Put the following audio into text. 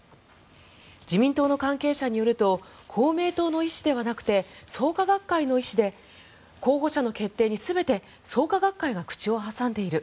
自民党の関係者によると公明党の意思ではなく創価学会の意思で候補者の決定に全て創価学会が口をはさんでいる。